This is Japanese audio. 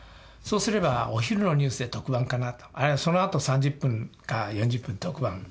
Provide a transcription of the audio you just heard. そうすればお昼のニュースで特番かなとあるいはそのあと３０分か４０分特番。